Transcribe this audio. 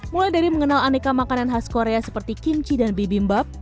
mulai dari mengenal aneka makanan khas korea seperti kimchi dan bibi mbap